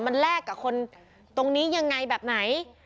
มันแลกกับคนตรงนี้ยังไงแบบไหน